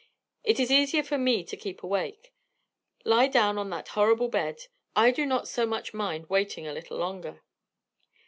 "It is easier for me to keep awake. Lie down on that horrible bed. I do not so much mind waiting a little longer."